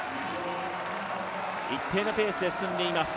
一定のペースで進んでいます。